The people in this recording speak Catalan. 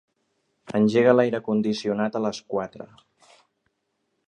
Engega l'aire condicionat a les quatre.